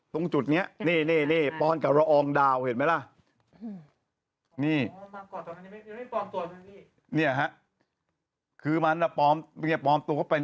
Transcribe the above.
ตรงจุดนี้นี่ปอนกับละอองดาวเห็นไหมล่ะนี่คือมันปลอมตัวเข้าไป